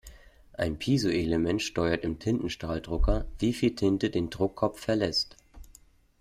Ein Piezoelement steuert im Tintenstrahldrucker, wie viel Tinte den Druckkopf verlässt.